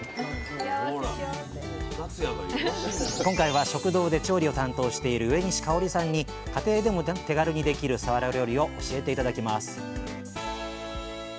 今回は食堂で調理を担当している上西かおりさんに家庭でも手軽にできるさわら料理を教えて頂きます